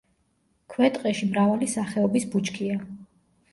ქვეტყეში მრავალი სახეობის ბუჩქია.